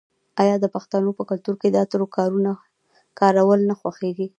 آیا د پښتنو په کلتور کې د عطرو کارول نه خوښیږي؟